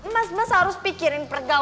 mas mas harus pikirin pergaulan